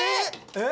えっ。